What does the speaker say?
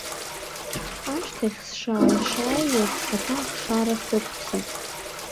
Ашьҭахь сшааи-шааиуаз, схаҭа ахшара сықәԥсеит.